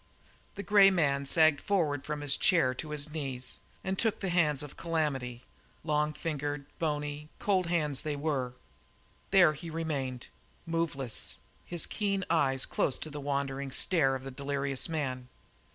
The grey man sagged forward from his chair to his knees and took the hands of Calamity, long fingered, bony, cold hands they were. There he remained, moveless, his keen eyes close to the wandering stare of the delirious man.